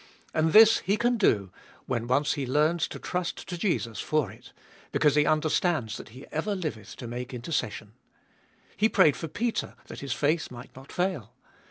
And this he can do, when once he learns to trust to Jesus for it, because he understands that He ever liveth to make intercession. He prayed for Peter that his faith might not fail.